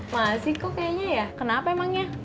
masih kok kayaknya ya kenapa emangnya